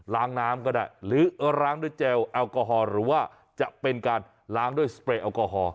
ล้างน้ำก็ได้หรือล้างด้วยเจลแอลกอฮอลหรือว่าจะเป็นการล้างด้วยสเปรย์แอลกอฮอล